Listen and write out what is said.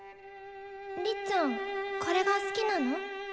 りっちゃんこれが好きなの？